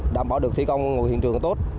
đảm bảo được thi công ngồi hiện trường tốt